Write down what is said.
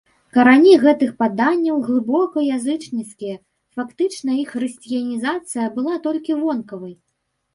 Карані гэтых паданняў глыбока язычніцкія, фактычна іх хрысціянізацыя была толькі вонкавай.